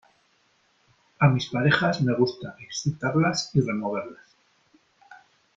a mis parejas me gusta excitarlas y removerlas